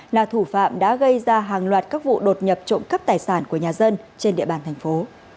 là thủ phạm đã gây ra hàng loạt các vụ đột nhập trộm cắp tài sản của nhà dân trên địa bàn thành phố